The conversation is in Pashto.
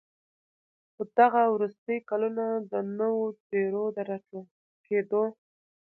خو دغه وروستي كلونه د نوو څېرو د راټوكېدو